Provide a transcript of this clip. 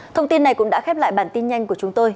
thông tin này cũng đã khép lại bản tin nhanh của chúng tôi